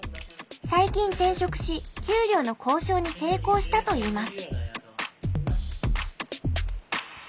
最近転職し給料の交渉に成功したといいます。